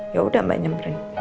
ya udah mbak nyempre